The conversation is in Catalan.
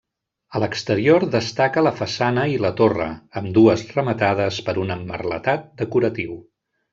A l'exterior destaca la façana i la torre, ambdues rematades per un emmerletat decoratiu.